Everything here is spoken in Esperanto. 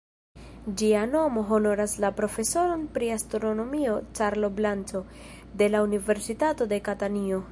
Ĝia nomo honoras la profesoron pri astronomio "Carlo Blanco", de la Universitato de Katanio.